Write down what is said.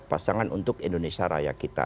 pasangan untuk indonesia raya kita